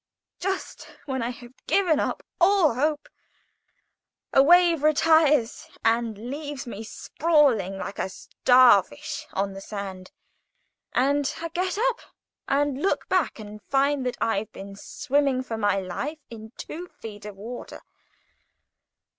Just when I have given up all hope, a wave retires and leaves me sprawling like a star fish on the sand, and I get up and look back and find that I've been swimming for my life in two feet of water.